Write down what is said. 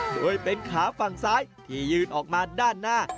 โดยเป็นขาฝั่งซ้ายที่ยืนออกมาด้านหน้า